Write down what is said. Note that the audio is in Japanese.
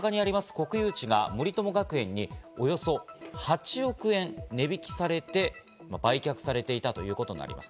国有地が森友学園におよそ８億円値引きされて売却されていたということになります。